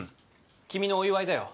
君のお祝いだよ。